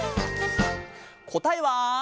「こたえは」